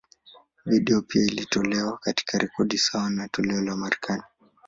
Video pia iliyotolewa, katika rekodi sawa na toleo la Marekani.